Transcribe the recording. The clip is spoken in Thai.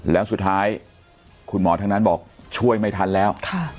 แล้วสุดท้ายคุณหมอทั้งนั้นบอกช่วยไม่ทันแล้ว